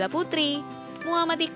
nah ini memang sangat menarik